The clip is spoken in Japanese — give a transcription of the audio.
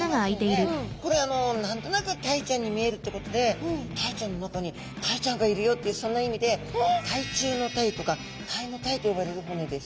これ何となくタイちゃんに見えるってことでタイちゃんの中にタイちゃんがいるよってそんな意味で鯛中鯛とか鯛の鯛と呼ばれる骨です。